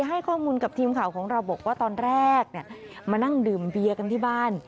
ให้ข้อมูลกับทีมข่าวของเราบอกว่าตอนแรกมานั่งดื่มเบียร์กันที่บ้าน